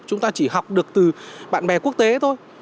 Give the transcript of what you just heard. chúng ta chỉ học được từ bạn bè quốc tế thôi